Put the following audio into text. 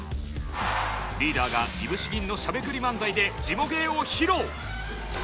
リーダーがいぶし銀のしゃべくり漫才でジモ芸を披露！